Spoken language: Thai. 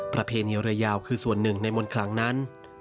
ประเพณีเรือยาวคือส่วนหนึ่งในมนต์คลังนั้น